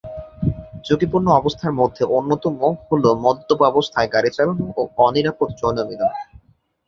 ঝুঁকিপূর্ণ অবস্থার মধ্যে অন্যতম হলো মদ্যপ অবস্থায় গাড়ি চালানো ও অনিরাপদ যৌনমিলন।